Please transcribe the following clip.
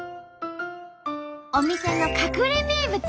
お店の隠れ名物。